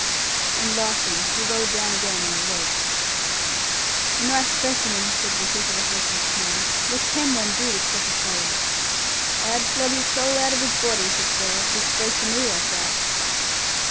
And laughing, he rolled down again on the logs. "A nice specimen!" said Vickers, with a hopeless smile. "What can one do with such a fellow?" "I'd flog his soul out of his body," said Frere, "if he spoke to me like that!"